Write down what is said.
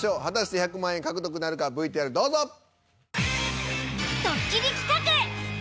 果たして１００万円獲得なるかＶＴＲどうぞ。